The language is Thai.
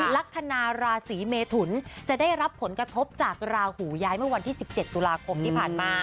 ลักษณะราศีเมทุนจะได้รับผลกระทบจากราหูย้ายเมื่อวันที่๑๗ตุลาคมที่ผ่านมา